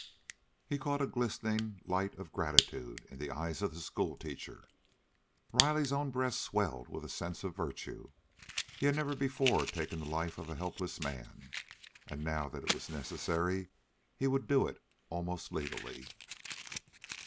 He caught a glistening light of gratitude in the eyes of the schoolteacher. Riley's own breast swelled with a sense of virtue. He had never before taken the life of a helpless man; and now that it was necessary, he would do it almost legally.